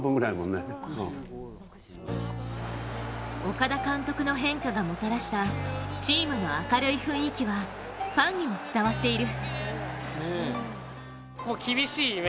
岡田監督の変化がもたらしたチームの明るい雰囲気はファンにも伝わっている。